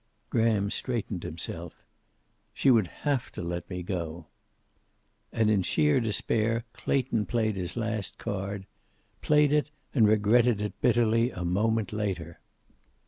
Graham straightened himself. "She would have to let me go." And in sheer despair, Clayton played his last card. Played it, and regretted it bitterly a moment later.